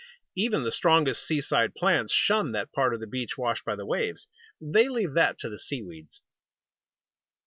Even the strongest seaside plants shun that part of the beach washed by the waves. They leave that to the seaweeds.